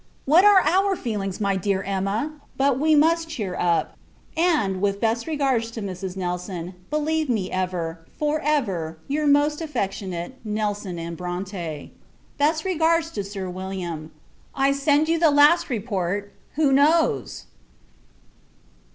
What are our feelings, my dear Emma! but, we must cheer up: and, with best regards to Mrs. Nelson, believe me ever, for ever, your most affectionate, NELSON & BRONTE. Best regards to Sir William. I send you the last report. Who knows!